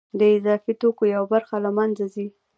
د اضافي توکو یوه برخه له منځه ځي